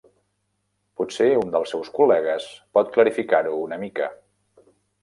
Potser un dels seus col·legues pot clarificar-ho una mica.